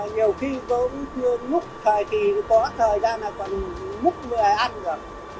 nhiều khi tôi cũng chưa ngúc thời kỳ có thời gian là còn ngúc người ăn rửa